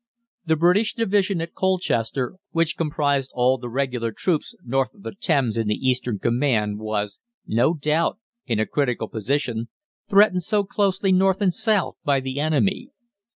The British division at Colchester, which comprised all the regular troops north of the Thames in the eastern command, was, no doubt, in a critical position, threatened so closely north and south by the enemy.